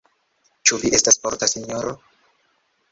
Ĉu vi estas forta, sinjoro?